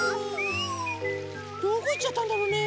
どこいっちゃったんだろうね？